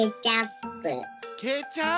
ケチャップ。